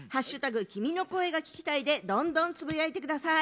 「＃君の声が聴きたい」でどんどんつぶやいてください。